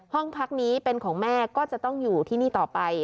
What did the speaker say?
ห้องพักนี้เป็นของแม่ก็จะต้องอยู่ที่นี่ต่อไป